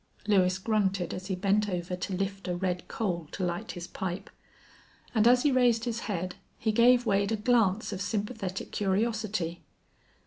Lewis grunted as he bent over to lift a red coal to light his pipe, and as he raised his head he gave Wade a glance of sympathetic curiosity.